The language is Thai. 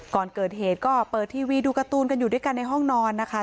ก่อนเกิดเหตุก็เปิดทีวีดูการ์ตูนกันอยู่ด้วยกันในห้องนอนนะคะ